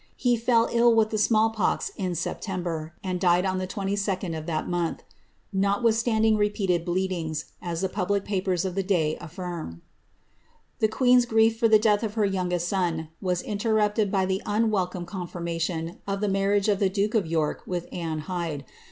He fell ill with the naiUpox, in September, and died on the 22d of that month, ^^ notwith landing repeated bleedings,'' as the public papers of the day affirm. The queen's grief for the death of her youngest son was interrupted y the unwelcome confirmation of the marriage of the duke of York rith Anne Hyde.